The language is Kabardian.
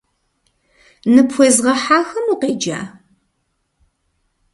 Ныпхуезгъэхьахэм укъеджа?